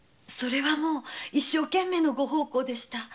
それはもう一生懸命のご奉公でした。